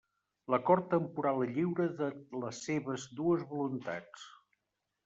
L'acord temporal i lliure de les seves dues voluntats.